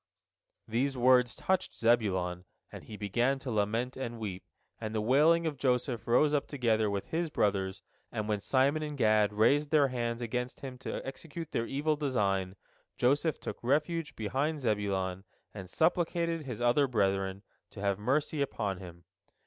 These words touched Zebulon, and he began to lament and weep, and the wailing of Joseph rose up together with his brother's, and when Simon and Gad raised their hands against him to execute their evil design, Joseph took refuge behind Zebulon, and supplicated his other brethren to have mercy upon him.